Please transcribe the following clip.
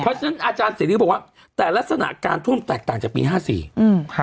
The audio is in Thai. เพราะฉะนั้นอาจารย์เสรีบอกว่าแต่ลักษณะการท่วมแตกต่างจากปีห้าสี่อืมค่ะ